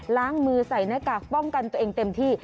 ล้างมือใส่หน้ากากป้องกันตัวเองเต็มที่